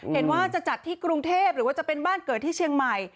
เห็นว่าจะจัดที่กรุงเทพหรือว่าจะเป็นบ้านเกิดที่เชียงใหม่